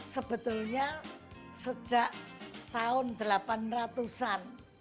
sebenarnya sejak tahun delapan ratusan